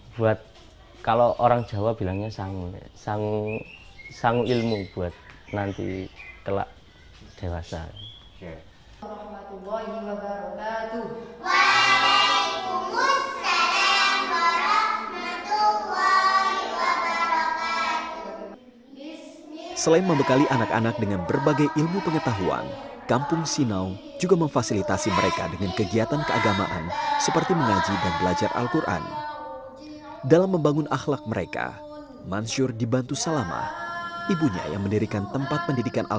butuh teman teman saya untuk disini jadi saya tergerak untuk terus hadir di kampung sinai